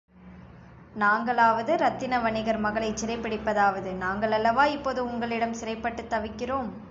நாங்களாவது இரத்தின வணிகர் மகளைச் சிறைப்பிடிப்பதாவது நாங்களல்லவா இப்போது உங்களிடம் சிறைப்பட்டுத் தவிக்கிறோம்?